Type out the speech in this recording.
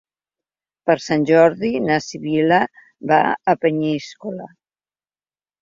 Per Sant Jordi na Sibil·la va a Peníscola.